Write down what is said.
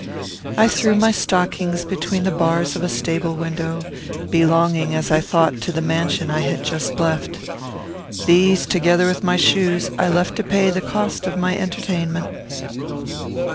I threw my stockings between the bars of a stable window, belonging, as I thought, to the mansion I had just left. These, together with my shoes, I left to pay the cost of my entertainment.